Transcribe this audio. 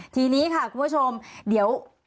ทีนี้ค่ะคุณผู้ชมเดี๋ยว